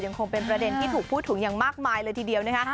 คงเป็นประเด็นที่ถูกพูดถึงอย่างมากมายเลยทีเดียวนะคะ